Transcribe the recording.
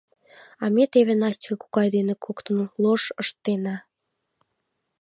— А ме теве Настя кокай дене коктын лош ыштена.